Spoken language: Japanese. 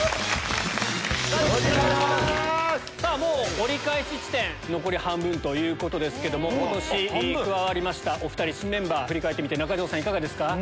折り返し地点残り半分ということですけども今年加わりましたお２人振り返ってみていかがですか？